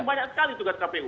banyak sekali tugas kpu